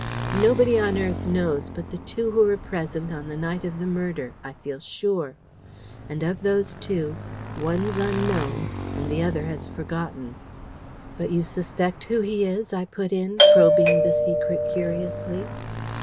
Nobody on earth knows but the two who were present on the night of the murder, I feel sure. And of those two, one's unknown, and the other has forgotten." "But you suspect who he is?" I put in, probing the secret curiously.